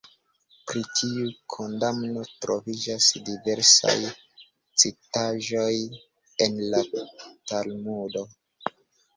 Pri tiu kondamno troviĝas diversaj citaĵoj en la Talmudo.